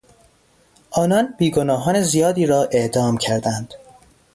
آنان بیگناهان زیادی را اعدام کردند.